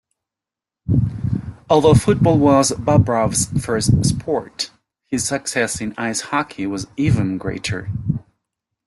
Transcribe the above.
Although football was Bobrov's first sport, his success in ice hockey was even greater.